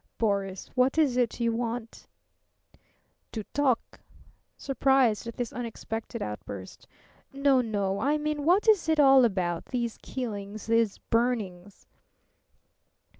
"Boris, what is it you want?" "To talk" surprised at this unexpected outburst. "No, no. I mean, what is it all about these killings, these burnings?"